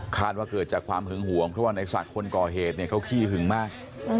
ว่าเกิดจากความหึงห่วงเพราะว่าในศักดิ์คนก่อเหตุเนี่ยเขาขี้หึงมาก